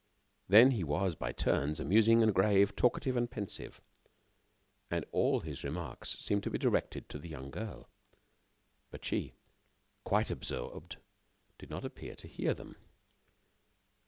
Then he was, by turns, amusing and grave, talkative and pensive. And all his remarks seemed to be directed to the young girl. But she, quite absorbed, did not appear to hear them.